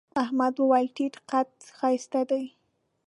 احمد وويل: تيت قد ښایست دی.